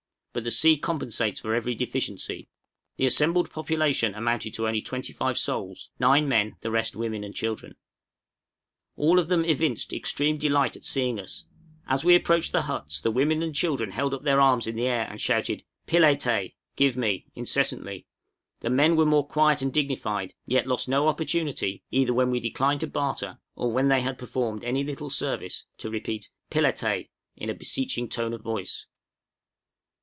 But the sea compensates for every deficiency. The assembled population amounted to only 25 souls: 9 men, the rest women and children. All of them evinced extreme delight at seeing us; as we approached the huts the women and children held up their arms in the air and shouted "Pilletay" (give me), incessantly; the men were more quiet and dignified, yet lost no opportunity, either when we declined to barter, or when they had performed any little service, to repeat "Pilletay" in a beseeching tone of voice.